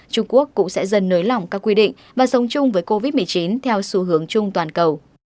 trung quốc cũng sẽ dần nới lỏng các quy định và sống chung với covid một mươi chín theo xu hướng chung toàn cầu